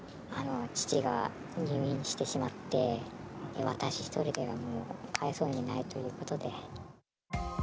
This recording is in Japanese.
父が入院してしまって、私一人ではもう飼えそうにないということで。